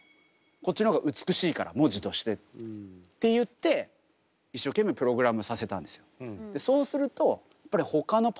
こっちの方が美しいから文字として。って言って一生懸命プログラムさせたんですよ。